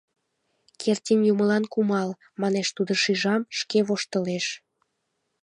— Кердин, юмылан кумал, — манеш тудо, шижам, шке воштылеш.